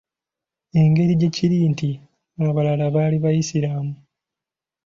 Engeri gye kiri nti abalala baali bayisiraamu.